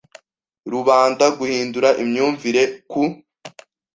rubanda guhindura imyumvire ku